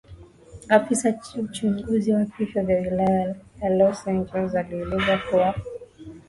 Afisa uchunguzi wa vifo wa Wilaya ya Los Angeles alielezwa kuwa